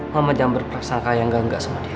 mama jangan berperang sangka yang gak enggak sama dia